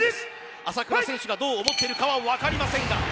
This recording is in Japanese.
朝倉選手がどう思っているかは分かりませんが。